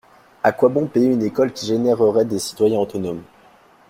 A quoi bon payer une école qui générerait des citoyens autonomes